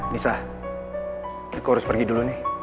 nisa aku harus pergi dulu nih